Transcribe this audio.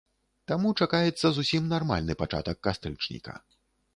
Таму чакаецца зусім нармальны пачатак кастрычніка.